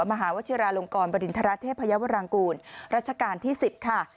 มหาวชิราลงกรบริณฑระเทพยาวรางกูลรัชกาลที่๑๐ค่ะ